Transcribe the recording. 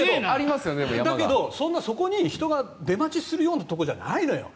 だけど人が出待ちするようなところじゃないのよ。